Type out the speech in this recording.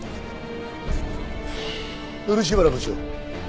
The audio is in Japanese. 漆原部長